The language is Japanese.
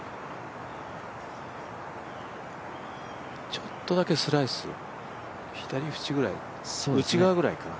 ちょっとだけスライス、左縁くらい、内側くらいかな。